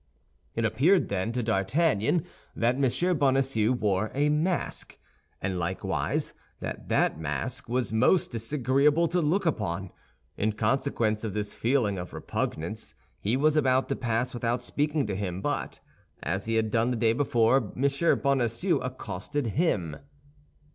It appeared, then, to D'Artagnan that M. Bonacieux wore a mask, and likewise that that mask was most disagreeable to look upon. In consequence of this feeling of repugnance, he was about to pass without speaking to him, but, as he had done the day before, M. Bonacieux accosted him.